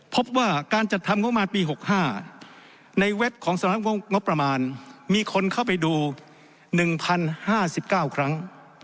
พบว่าการจัดทำงบประมาณปี๖๕ในเว็บของสำนักงบประมาณมีคนเข้าไปดู๑๐๕๙ครั้ง